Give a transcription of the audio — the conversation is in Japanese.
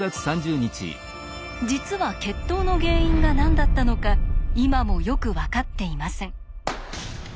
実は決闘の原因が何だったのか今もよく分かっていません。